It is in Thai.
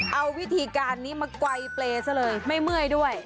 เอาวิธีการนี้มาไกลเปรย์ซะเลยไม่เมื่อยด้วย